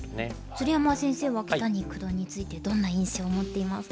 鶴山先生は木谷九段についてどんな印象を持っていますか？